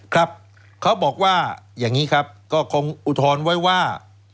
ครับเขาบอกว่าอย่างนี้ครับก็คงอุทธรณ์ไว้ว่า